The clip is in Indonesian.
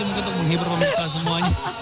mungkin untuk menghibur pemirsa semuanya